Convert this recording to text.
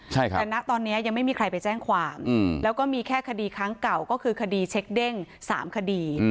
แต่ณตอนนี้ยังไม่มีใครไปแจ้งความแล้วก็มีแค่คดีครั้งเก่าก็คือคดีเช็คเด้ง๓คดี